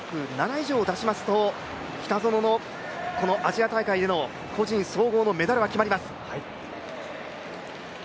以上を出しますと北園のアジア大会の個人総合のメダルは決まります。